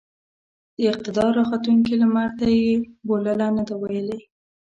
د اقتدار راختونکي لمرته يې بولـله نه ده ويلې.